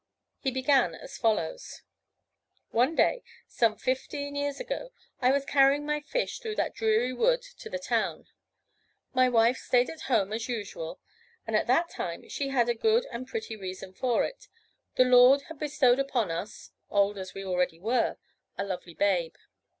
He began as follows: "One day, some fifteen years ago, I was carrying my fish through that dreary wood to the town. My wife stayed at home, as usual; and at that time she had a good and pretty reason for it the Lord had bestowed upon us (old as we already were) a lovely babe.